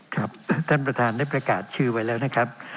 ครับท่านประธานได้ประกาศชื่อไว้แล้วนะครับ